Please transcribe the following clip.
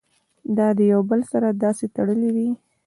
دا د يو بل سره داسې تړلي وي